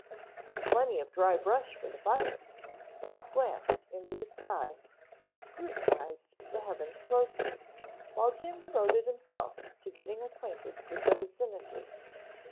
"There's plenty of dry brush for the fire." Bob glanced into the sky, then scrutinized the heavens closely, while Jim devoted himself to getting acquainted with the vicinity.